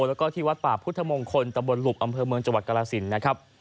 แล้วก็ที่วัดป่าพุทธมงคลตะบนหลุบอำเภอเมืองจังหวัดกรสินนะครับ